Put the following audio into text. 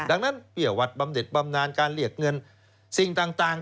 ดังนั้นเปรี้ยวัดบำเด็ดบำนานการเรียกเงินสิ่งต่าง